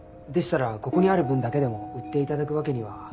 でしたらここにある分だけでも売っていただくわけには。